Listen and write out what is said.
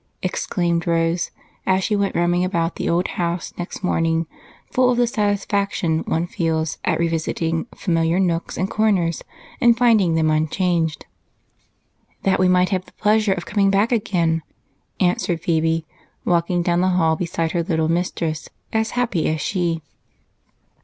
exclaimed Rose as she went roaming about the old house next morning, full of the satisfaction one feels at revisiting familiar nooks and corners and finding them unchanged. "That we might have the pleasure of coming back again," answered Phebe, walking down the hall beside her little mistress, as happy as she.